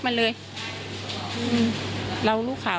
ไม่ตั้งใจครับ